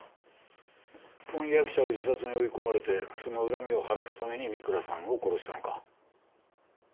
婚約者を自殺に追い込まれてその恨みを晴らすために三倉さんを殺したのか？